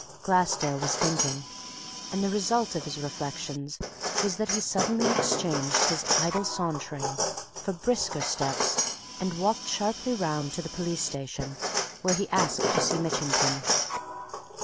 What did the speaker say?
Glassdale was thinking. And the result of his reflections was that he suddenly exchanged his idle sauntering for brisker steps and walked sharply round to the police station, where he asked to see Mitchington.